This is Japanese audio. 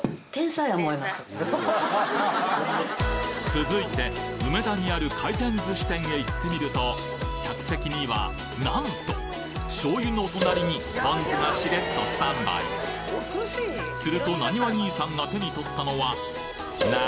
続いて梅田にある回転寿司店へ行ってみると客席にはなんと醤油の隣にポン酢がしれっとスタンバイするとナニワ兄さんが手に取ったのは何？